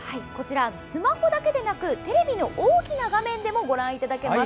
スマホだけではなくテレビの大きな画面でもご覧いただけます。